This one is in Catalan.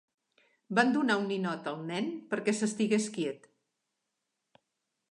Van donar un ninot al nen perquè s'estigués quiet.